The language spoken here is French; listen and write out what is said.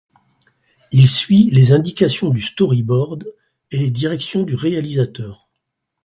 Il suit les indications du storyboard et les directions du réalisateur.